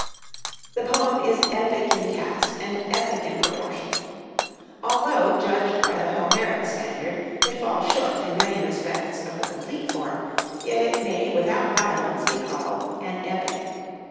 The poem is epic in cast and epic in proportion. Although, judged by the Homeric standard, it falls short in many respects of the complete form, yet it may without violence be called an epic.